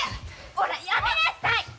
ほらやめなさい！